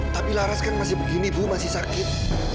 tapi laras kan masih begini bu masih sakit